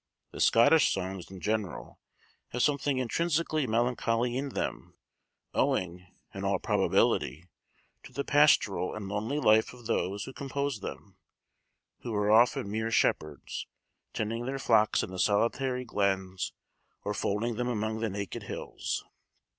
The Scottish songs, in general, have something intrinsically melancholy in them; owing, in all probability, to the pastoral and lonely life of those who composed them: who were often mere shepherds, tending their flocks in the solitary glens, or folding them among the naked hills.